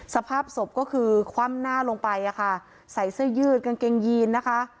สภาพศพก็คือคว่ำหน้าลงไปอะค่ะใส่เสื้อยืดกางเกงยีนนะคะ